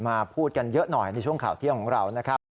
มาพูดกันเยอะหน่อยในช่วงข่าวเที่ยวของเรา